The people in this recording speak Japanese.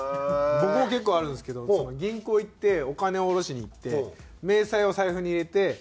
僕も結構あるんですけど銀行行ってお金下ろしに行って明細を財布に入れてお金を捨てる事よくあります。